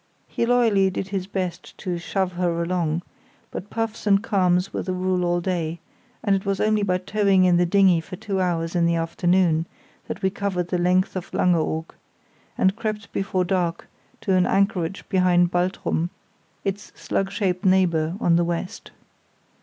He loyally did his best to "shove her" along, but puffs and calms were the rule all day, and it was only by towing in the dinghy for two hours in the afternoon that we covered the length of Langeoog, and crept before dark to an anchorage behind Baltrum, its slug shaped neighbour on the west.